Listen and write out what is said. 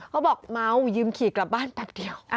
เขาบอกเมายืมขี่กลับบ้านแป๊บเดียว